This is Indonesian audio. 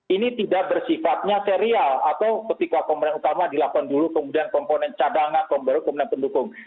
ini tidak bersifatnya serial atau ketika komponen utama dilakukan dulu kemudian komponen cadangan komponen pendukung